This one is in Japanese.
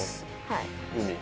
はい。